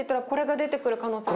これが出てくるの。